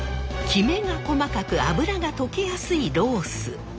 きめが細かく脂が溶けやすいロース。